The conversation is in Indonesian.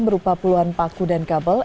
berupa puluhan paku dan kabel